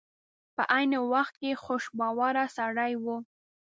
په عین وخت کې خوش باوره سړی و.